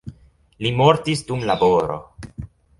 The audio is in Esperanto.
Li mortis dum laboro.